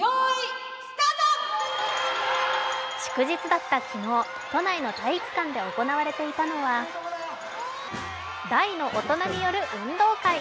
祝日だった昨日都内の体育館で行われていたのは大の大人による運動会。